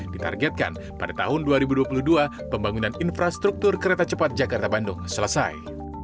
ditargetkan pada tahun dua ribu dua puluh dua pembangunan infrastruktur kereta cepat jakarta bandung selesai